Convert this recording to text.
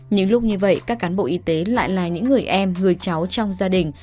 những lúc như vậy các cán bộ y tế lại là những người em người cháu trong gia đình